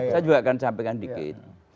saya juga akan sampaikan dikit